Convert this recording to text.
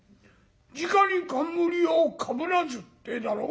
『じかに冠をかぶらず』って言うだろ？